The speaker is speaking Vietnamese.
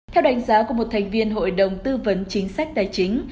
theo đánh giá của một thành viên hội đồng tư vấn chính sách tài chính